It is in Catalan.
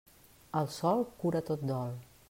El sol cura tot dol.